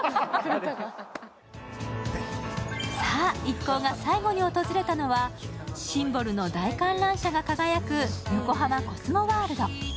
一行が最後に訪れたのがシンボルの大観覧車が輝くよこはまコスモワールド。